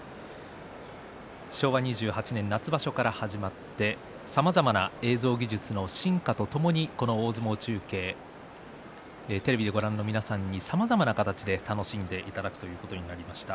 昭和２８年夏場所から始まってさまざまな映像技術の進化とともにこの大相撲中継テレビをご覧の皆さんにさまざまな形で楽しんでいただくということになりました。